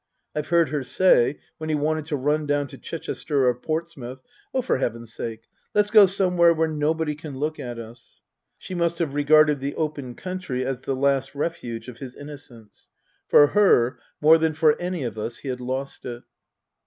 I've heard her say, when he wanted to run down to Chichester or Portsmouth, " Oh, for Heaven's sake, let's go somewhere where nobody can look at us !" She must have regarded the open country as the last refuge of his innocence. For her, more than for any of us, he had lost it.